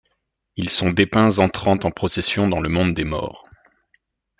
Ils sont dépeints entrant en procession dans le monde des morts.